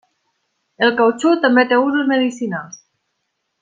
El catxú també té usos medicinals.